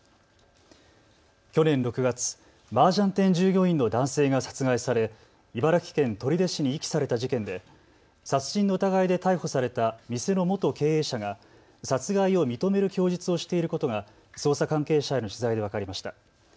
去年６月、マージャン店従業員の男性が殺害され茨城県取手市に遺棄された事件で殺人の疑いで逮捕された店の元経営者が殺害を認める供述をしていることが捜査関係者への取材で分かりました。